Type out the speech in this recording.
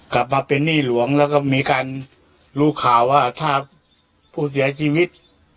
กลับมาเป็นหนี้หลวงแล้วก็มีการรู้ข่าวว่าถ้าผู้เสียชีวิต